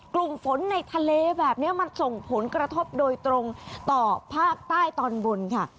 กลุ่มฝนในทะเลแบบนี้มันส่งผลกระทบโดยตรงต่อภาคใต้ตอนบนค่ะ